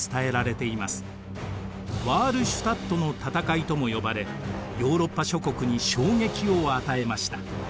ワールシュタットの戦いとも呼ばれヨーロッパ諸国に衝撃を与えました。